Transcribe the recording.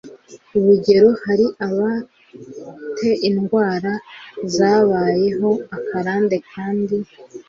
urugero hari aba te indwara zababayeho akarande kandi